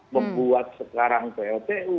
membuat sekarang pltu